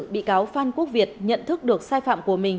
bị cáo phan quốc việt nhận thức được sai phạm của mình